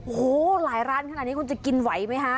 โอ้โหหลายร้านขนาดนี้คุณจะกินไหวไหมคะ